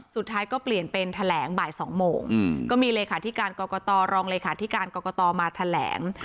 สุดท้ายก็เปลี่ยนเป็นแถลงบ่าย๒โมงก็มีเลขาธิการกรกตรองเลขาธิการกรกตมาแถลง